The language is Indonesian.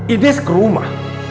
ines ke rumah